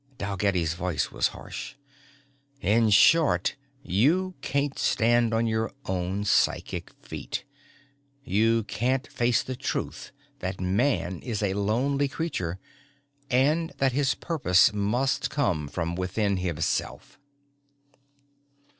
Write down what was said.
Dalgetty's voice was harsh. "In short, you can't stand on your own psychic feet. You can't face the truth that man is a lonely creature and that his purpose must come from within himself."